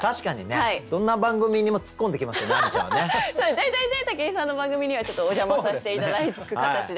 大体ね武井さんの番組にはちょっとお邪魔させて頂く形で。